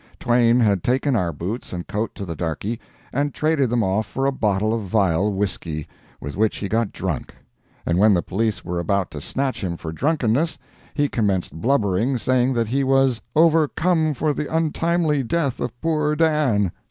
Twain had taken our boots and coat to the darkey, and traded them off for a bottle of vile whiskey, with which he got drunk; and when the police were about to snatch him for drunkenness, he commenced blubbering, saying that he was "overcome for the untimely death of poor Dan."